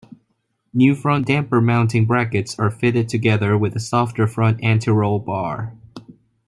New front damper mounting brackets are fitted together with a softer front anti-roll bar.